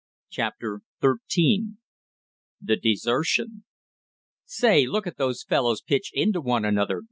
CHAPTER XIII THE DESERTION "Say, look at those fellows pitch into one another!"